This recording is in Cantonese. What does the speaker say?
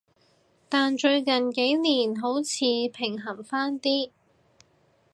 但最近幾年好似平衡返啲